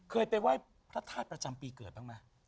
เคยไปไหว้พระธาตุประจำปีเกิดบ้างไหม